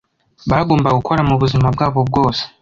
bagombaga gukora mu buzima bwabo bwose